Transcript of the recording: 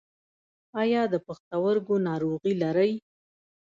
ایا د پښتورګو ناروغي لرئ؟